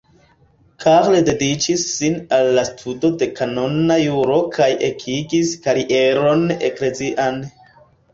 Karl dediĉis sin al la studo de kanona juro kaj ekigis karieron eklezian.